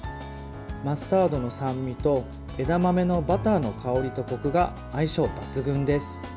マスタードの酸味と枝豆のバターの香りとコクが相性抜群です。